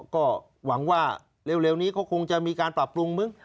ก็หวังว่าเร็วนี้เขาคงจะมีการปรับปรุงมึง